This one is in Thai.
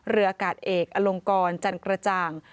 เรืออากาศเอกอลงกรจันกระจ่าง